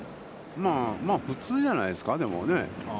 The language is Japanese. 普通じゃないですか、でも。